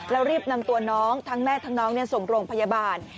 แล้วรีบนำตัวน้องทั้งแม่ทั้งน้องส่งโรงพยาบาล